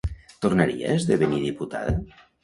Tornaria a esdevenir diputada?